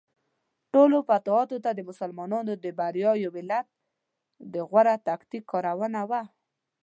ټولو فتوحاتو کې د مسلمانانو د بریاوو یو علت د غوره تکتیک کارونه وه.